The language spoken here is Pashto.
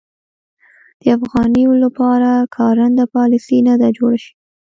د افغانیو لپاره کارنده پالیسي نه ده جوړه شوې.